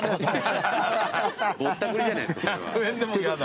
ぼったくりじゃないすかそれは。